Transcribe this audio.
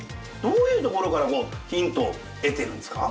どういうところからヒントを得てるんですか？